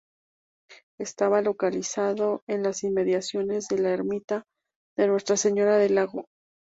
Estaba localizado en las inmediaciones de la Ermita de Nuestra Señora del Lago.